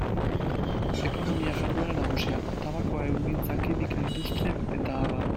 Ekonomia jarduera nagusiak: tabakoa, ehungintza, kimika industriak, eta abar.